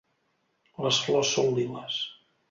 Les flors són liles.